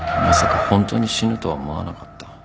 「まさかホントに死ぬとは思わなかった」